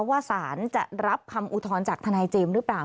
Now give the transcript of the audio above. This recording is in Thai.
สารจะรับคำอุทธรณ์จากทนายเจมส์หรือเปล่า